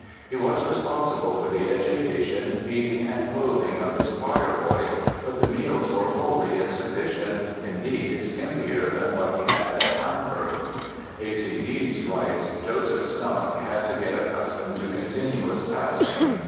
He was responsible for the education, feeding and clothing of his choirboys, but the meals were wholly insufficient, indeed skimpier than what he had in Hainburg. A. C. Dies writes: "Joseph's stomach had to get accustomed to continuous fasting.